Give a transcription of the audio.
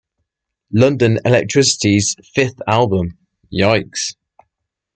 London Elektricity's fifth album, Yikes!